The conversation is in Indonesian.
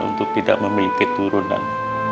untuk tidak memimpin turunan